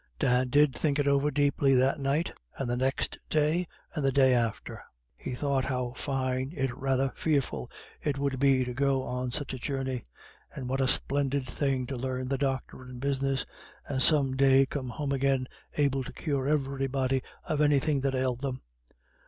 Dan did think it over deeply that night and the next day and the day after. He thought how fine, if rather fearful, it would be to go on such a journey; and what a splendid thing to learn the doctoring business, and some day come home again able to cure everybody of anything that ailed them.